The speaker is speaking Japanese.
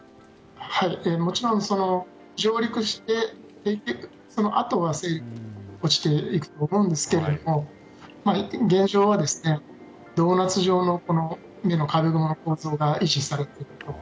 もちろん上陸したあとは勢力が落ちていくと思うんですけども現状はドーナツ状の目の壁の構造が維持されていて。